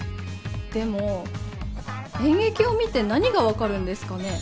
でも演劇を観て何が分かるんですかね？